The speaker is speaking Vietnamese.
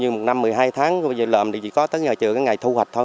một năm một mươi hai tháng bây giờ lợm thì chỉ có tới ngày thu hoạch thôi